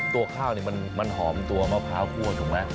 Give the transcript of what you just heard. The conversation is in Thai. ตัวข้าวนี่มันหอมตัวมะพร้าวคั่วถูกไหม